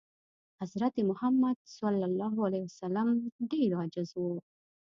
حضرت محمد ﷺ ډېر عاجز و.